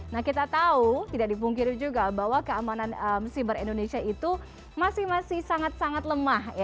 nah kita tahu tidak dipungkiri juga bahwa keamanan siber indonesia itu masih masih sangat sangat lemah